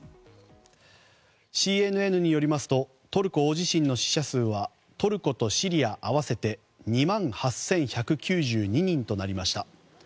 ＣＮＮによりますとトルコ大地震の死者数はトルコとシリア合わせて２万８１９２人となりました。